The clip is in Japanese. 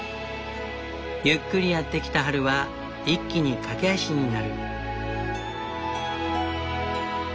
ゆっくりやって来た春は一気に駆け足になる。